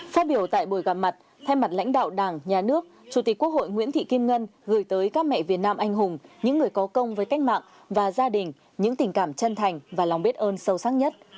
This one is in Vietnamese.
phát biểu tại buổi gặp mặt thay mặt lãnh đạo đảng nhà nước chủ tịch quốc hội nguyễn thị kim ngân gửi tới các mẹ việt nam anh hùng những người có công với cách mạng và gia đình những tình cảm chân thành và lòng biết ơn sâu sắc nhất